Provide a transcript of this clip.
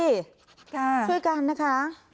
ช่วยกันนะคะค่ะ